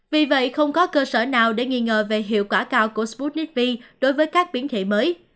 vì vậy không có cơ sở nào để nghi ngờ về hiệu quả cao của sputnik v đối với các biến thể mới